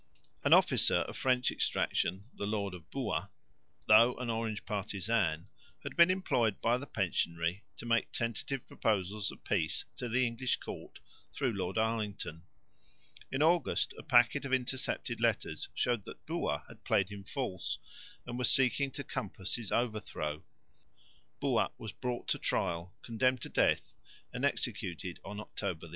An officer of French extraction, the lord of Buat, though an Orange partisan, had been employed by the pensionary to make tentative proposals of peace to the English court through Lord Arlington. In August a packet of intercepted letters showed that Buat had played him false and was seeking to compass his overthrow. Buat was brought to trial, condemned to death, and executed on October 11.